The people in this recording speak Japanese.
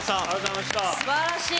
すばらしい！